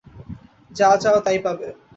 যা চাও তাই পাবে।